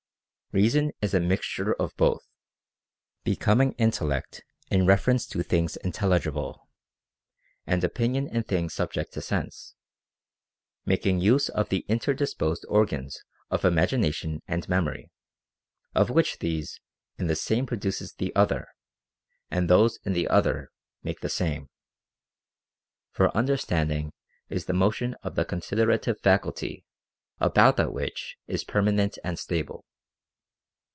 Reason is a mixture of both, becoming intellect in reference to things intelligible, and opinion in things subject to sense ; making use of the interdisposed organs of imagination and memory, of which these in the Same produce the Other, and those in the Other make the Same. For understanding is the motion of the considerative faculty about that which is permanent and stable.